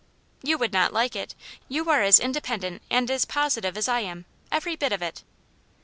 " You would not like it. You are as independent and as positive as J am, every bit of it."